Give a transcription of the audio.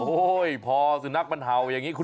โอ้เพราะสุนักมันเห่าอย่างนี้